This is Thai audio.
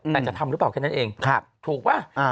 แต่จะทำหรือเปล่าแค่นั้นเองถูกป่ะ